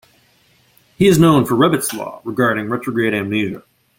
He is known for Ribot's Law regarding retrograde amnesia.